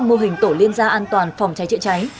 một sáu trăm linh mô hình tổ liên gia an toàn phòng cháy chữa cháy